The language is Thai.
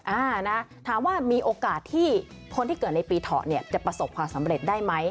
อ่านะถามว่ามีโอกาสที่คนที่เกิดในปีเถาะเนี่ยจะประสบความสำเร็จได้ไหม